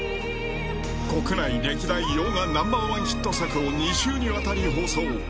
国内歴代洋画ナンバー１ヒット作を２週にわたり放送。